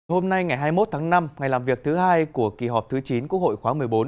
hôm nay ngày hai mươi một tháng năm ngày làm việc thứ hai của kỳ họp thứ chín quốc hội khóa một mươi bốn